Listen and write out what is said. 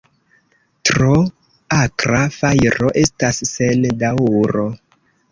Tro akra fajro estas sen daŭro.